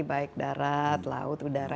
baik darat laut udara